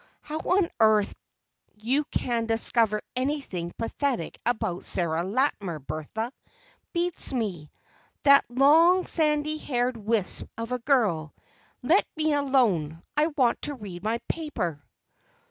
"How on earth you can discover anything pathetic about Sarah Latimer, Bertha, beats me. That long, sandy haired wisp of a girl! Let me alone; I want to read my paper."